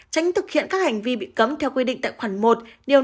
tránh thực hiện các hành vi bị cấm theo quy định tại khoản một điều năm